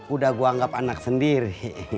udah gue anggap anak sendiri